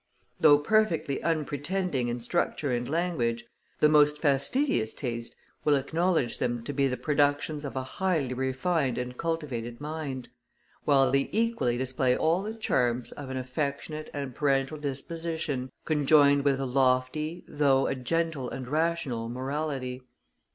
Though perfectly unpretending in structure and language, the most fastidious taste will acknowledge them to be the productions of a highly refined and cultivated mind, while they equally display all the charms of an affectionate and parental disposition, conjoined with a lofty, though a gentle and rational morality.